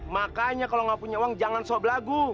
makanya kalau nggak punya uang jangan soblagu